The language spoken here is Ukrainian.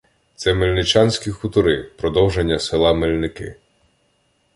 Це — Мельничанські хутори, продовження села Мельники.